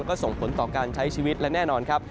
ก็ส่งผลต่อการใช้ชีวิตและแน่นอนครับ